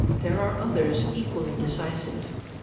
There are others equally decisive.